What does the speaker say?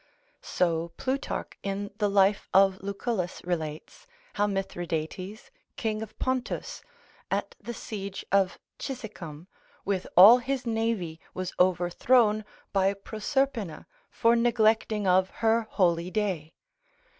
So Plutarch in the Life of Lucullus relates, how Mithridates, king of Pontus, at the siege of Cizicum, with all his navy, was overthrown by Proserpina, for neglecting of her holy day.